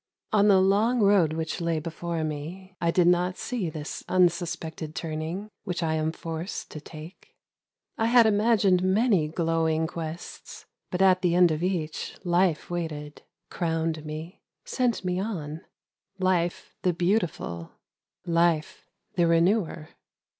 On the long road which lay before me I did not see this unsuspected turning Which I am forced to take. I had imagined many glowing quests, But at the end of each Life waited, Crowned me, sent me on, Life the beautiful, Life the renewer.